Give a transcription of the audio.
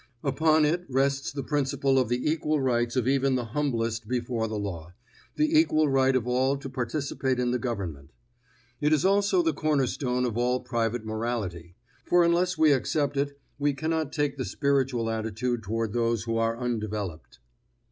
Upon it rests the principle of the equal rights of even the humblest before the law, the equal right of all to participate in the government. It is also the cornerstone of all private morality; for unless we accept it, we cannot take the spiritual attitude toward those who are undeveloped.